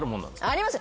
あります。